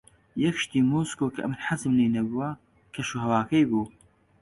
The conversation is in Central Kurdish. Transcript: یەک شتی مۆسکۆ کە حەزم لێی نەبوو، کەشوهەواکەی بوو.